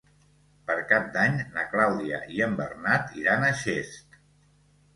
Per Cap d'Any na Clàudia i en Bernat iran a Xest.